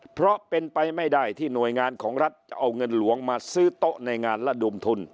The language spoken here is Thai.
เพราะเป็นไปไม่ได้ที่หน่วยงานของรัฐจะเอาเงินหลวงมาซื้อโต๊ะในงานระดมทุน